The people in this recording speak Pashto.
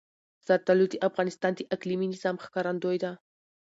زردالو د افغانستان د اقلیمي نظام ښکارندوی ده.